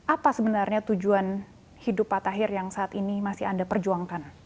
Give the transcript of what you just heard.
apa sebenarnya tujuan hidup pak tahir yang saat ini masih anda perjuangkan